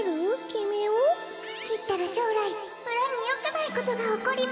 きったらしょうらい村によくないことがおこります。